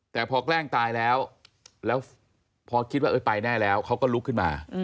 แต่พอแกล้งตายแล้วแล้วพอคิดว่าไปแน่แล้วเขาก็ลุกขึ้นมา